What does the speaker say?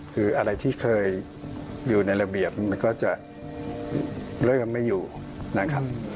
คืออะไรที่เคยอยู่ในระเบียบมันก็จะเริ่มไม่อยู่นะครับ